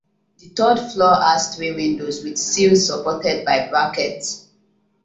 The third floor has three windows with sills supported by brackets.